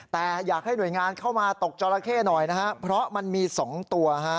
แต่อยากให้หน่วยงานเข้ามาตกจอลาเค่หน่อยนะพอมันมี๒ตัว